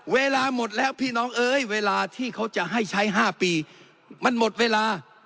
เวลาหมดแล้วพี่น้องเอ้ยเวลาที่เขาจะให้ใช้๕ปีมันหมดเวลา